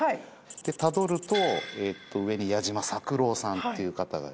たどると上に矢嶋作郎さんっていう方が。